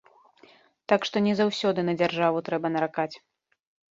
Так што не заўсёды на дзяржаву трэба наракаць.